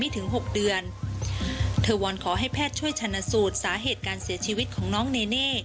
เธอวอนขอให้แพทย์ช่วยชนะสูตรสาเหตุการเสียชีวิตของน้องเนเน่